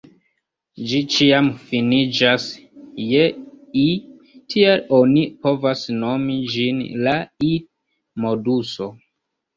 Ĝi ĉiam finiĝas je -i, tial oni povas nomi ĝin „la i-moduso.